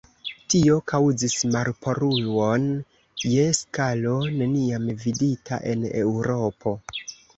Tio kaŭzis marpoluon je skalo neniam vidita en Eŭropo.